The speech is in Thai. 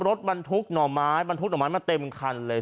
รถบรรทุกหน่อไม้บรรทุกห่อไม้มาเต็มคันเลย